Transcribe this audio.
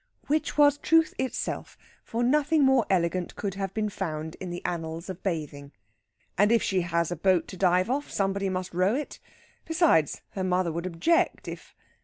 Which was truth itself, for nothing more elegant could have been found in the annals of bathing. "And if she has a boat to dive off, somebody must row it. Besides, her mother would object if...."